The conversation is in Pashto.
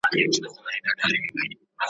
فلسطین په اور کي سوځي ,